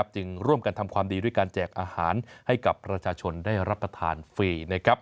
จึงร่วมกันทำความดีด้วยการแจกอาหารให้กับประชาชนได้รับประทานฟรี